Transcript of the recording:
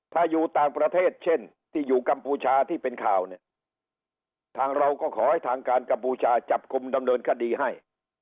ถ้าอยู่ต่างประเทศเช่นที่อยู่กัมพูชาที่เป็นข่าวเนี่ยทางเราก็ขอให้ทางการกัมพูชาจับกลุ่มดำเนินคดีให้